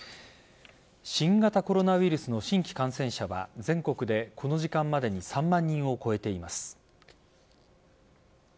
新型コロナウイルスの新規感染者は全国でこの時間までに３万人を超えています。